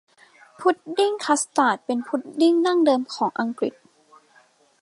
พุดดิ้งคัสตาร์ดเป็นพุดดิ้งดั้งเดิมของอังกฤษ